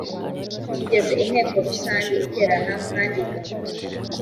kigeze inteko rusange iterna kandi igafata